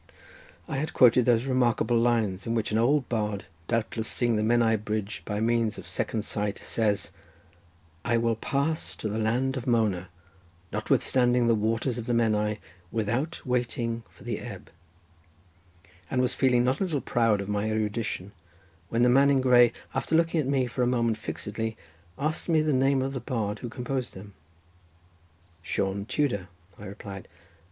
I had quoted those remarkable lines in which an old bard, doubtless seeing the Menai Bridge by means of second sight, says:—"I will pass to the land of Mona notwithstanding the waters of Menai, without waiting for the ebb"—and was feeling not a little proud of my erudition when the man in grey, after looking at me for a moment fixedly, asked me the name of the bard who composed them—"Sion Tudor," I replied.